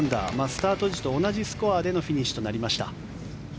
スタート時と同じスコアでのフィニッシュとなりました。